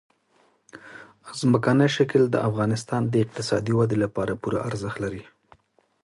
ځمکنی شکل د افغانستان د اقتصادي ودې لپاره پوره ارزښت لري.